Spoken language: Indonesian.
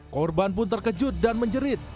korban pun terkejut dan menjerit